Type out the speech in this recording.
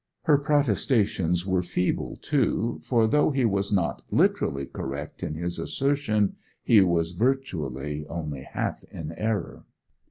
Her protestations were feeble, too, for though he was not literally correct in his assertion, he was virtually only half in error.